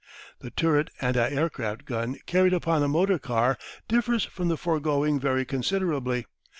The turret anti aircraft gun carried upon a motor car differs from the foregoing very considerably.